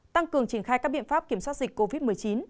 tăng cường triển khai các biện pháp kiểm soát dịch covid một mươi chín